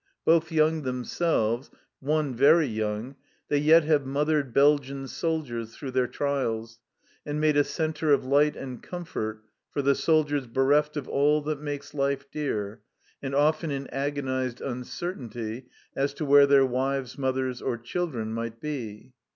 Both young themselves, one very young, they yet have mothered Belgian soldiers through their trials and made a centre of light and comfort for the soldiers bereft of all that makes life dear and often in agonized uncertainty as to where their wives, mothers, or children might be.